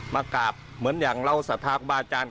มากราบเหมือนอย่างเราสัทธาบาจารย์